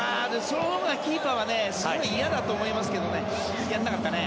そのほうがキーパーはすごい嫌だと思いますけどねやらなかったね。